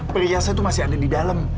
priyasa tuh masih ada di dalam